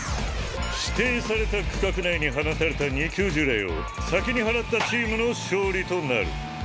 指定された区画内に放たれた二級呪霊を先に祓ったチームの勝利となる。